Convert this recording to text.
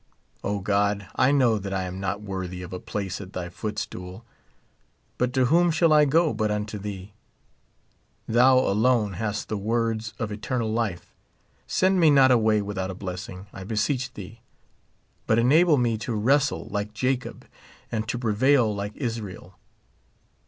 O God, I know that I am not worthy of a place at thy footstool ; but to whom shall I go but unto thee ? Thou alone hast the words of eternal life. Send me not away without a blessing, I beseech thee ; but enable me to wrestle like Jacob, and to pre vail like Israel.